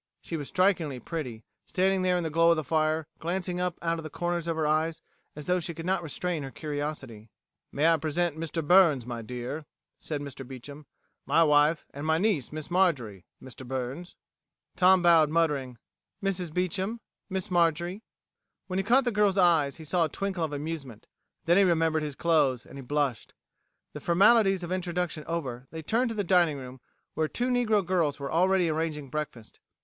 She was strikingly pretty, standing there in the glow of the fire, glancing up out of the corners of her eyes, as though she could not restrain her curiosity. "May I present Mr. Burns, my dear," said Mr. Beecham. "My wife and my niece, Miss Marjorie, Mr. Burns." Tom bowed, muttering "Mrs. Beecham, Miss Marjorie." When he caught the girl's eyes, he saw a twinkle of amusement. Then he remembered his clothes, and he blushed. The formalities of introduction over, they turned to the dining room, where two negro girls were already arranging breakfast.